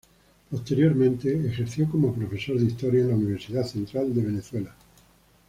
Posteriormente ejerció como profesor de Historia en la Universidad Central de Venezuela.